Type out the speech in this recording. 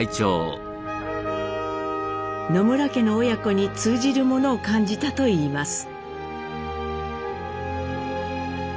野村家の親子に通じるものを感じたといいます。